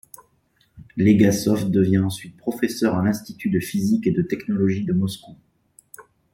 Legasov devient ensuite professeur à l'Institut de physique et de technologie de Moscou.